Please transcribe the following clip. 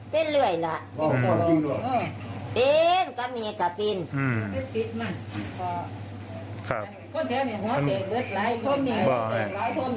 เป็นเรื่อยเหรอมีก็มีก็ปิน